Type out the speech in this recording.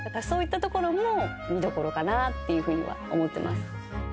そういったところも見どころかなって思ってます。